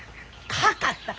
「かかったか？」